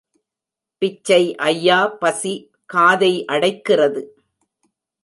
பிச்சை ஐயா பசி காதை அடைக்கிறது.